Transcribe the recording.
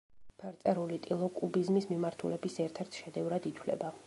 ფერწერული ტილო კუბიზმის მიმართულების ერთ-ერთ შედევრად ითვლება.